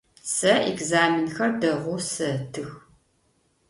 Сэ экзаменхэр дэгъоу сэтых.